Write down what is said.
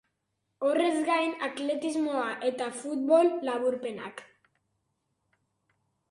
Horrez gain, atletismoa eta futbol laburpenak.